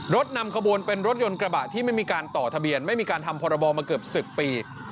นำขบวนเป็นรถยนต์กระบะที่ไม่มีการต่อทะเบียนไม่มีการทำพรบมาเกือบ๑๐ปี